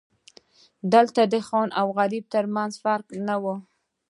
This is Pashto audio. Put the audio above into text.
دلته د خان او غریب ترمنځ فرق نه و.